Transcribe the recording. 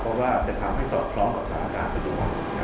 เพราะว่าจะทำให้สอดคล้องกับสถานการณ์ปัจจุบัน